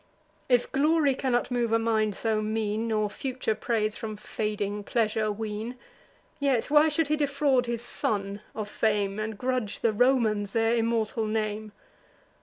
If glory cannot move a mind so mean, Nor future praise from fading pleasure wean, Yet why should he defraud his son of fame, And grudge the Romans their immortal name!